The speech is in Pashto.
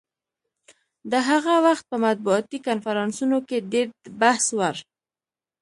د هغه وخت په مطبوعاتي کنفرانسونو کې ډېر د بحث وړ.